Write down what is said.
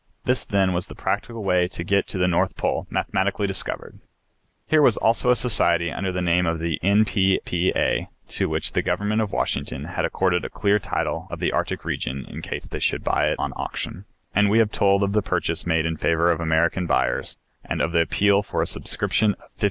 This then was the practical way to get to the North Pole mathematically discovered. Here was also a society, under the name of the N.P.P.A., to which the Government of Washington had accorded a clear title of the Arctic region in case they should buy it on auction, and we have told of the purchase made in favor of American buyers and of the appeal for a subscription of $15,000,000.